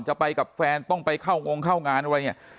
จะไปกับแฟนต้องไปเข้างงเข้างานอะไรเนี่ย